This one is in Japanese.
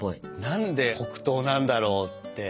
何で黒糖なんだろうって。